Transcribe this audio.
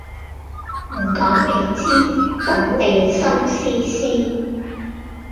唔講你知，等你心思思